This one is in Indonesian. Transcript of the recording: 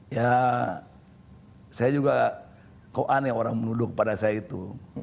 ya saya juga kok aneh orang menuduh kepada saya itu